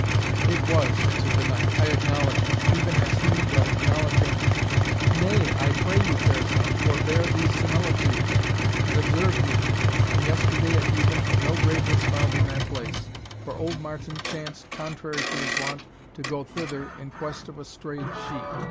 "It was," answered the knight, "I acknowledge it; even as he that acknowledgeth " "Nay, I pray you, fair son, forbear these similitudes, and observe me. On yesterday at even no grave was found in that place, for old Martin chanced, contrary to his wont, to go thither in quest of a strayed sheep.